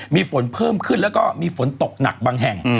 มีฝนเพิ่มขึ้นแล้วก็มีฝนตกหนักบางแห่ง